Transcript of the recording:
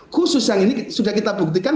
khusus yang ini sudah kita buktikan